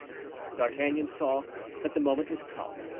D'Artagnan saw that the moment was come.